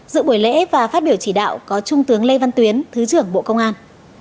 dự buổi lễ và phát biểu chỉ đạo có trung tướng lê văn tuyến thứ trưởng bộ công an